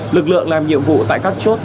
lực lượng làm nhiệm vụ tại các chốt